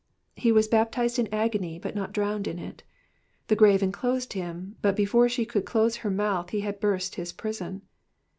He was baptised in agony but not drowned in it ; the grave enclosed him, but before she could close her mouth he had burst his prison.